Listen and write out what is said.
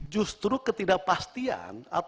tapi tuh dia monuments